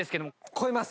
超えます。